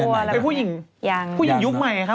เป็นผู้หญิงประหรับประหรับยุคใหม่มั้ยคะ